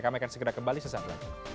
kami akan segera kembali sesaat lagi